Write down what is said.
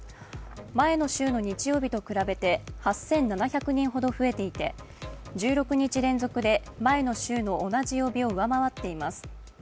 前の週の日曜日と比べて８７００人ほど増えていて１６日連続で前の週の同じ曜日を上回っています。